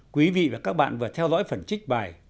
quý vị và các bạn vừa theo dõi phần trích bài